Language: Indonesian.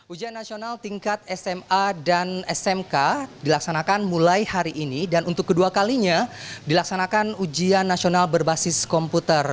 ujian nasional tingkat sma dan smk dilaksanakan mulai hari ini dan untuk kedua kalinya dilaksanakan ujian nasional berbasis komputer